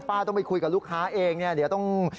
ป้าต้องไปคุยกับลูกค้าเองเดี๋ยวต้อง